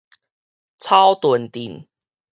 草屯鎮